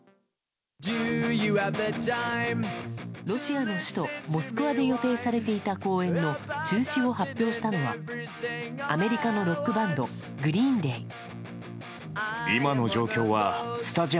ロシアの首都モスクワで予定されていた公演の中止を発表したのはアメリカのロックバンドグリーン・デイ。